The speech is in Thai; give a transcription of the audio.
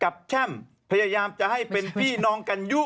แช่มพยายามจะให้เป็นพี่น้องกันยู่